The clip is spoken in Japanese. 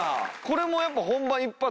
これもやっぱ。